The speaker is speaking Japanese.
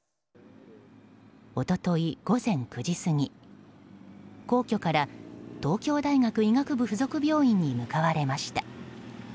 一昨日、午前９時過ぎ皇居から東京大学医学部附属病院に向かわれました。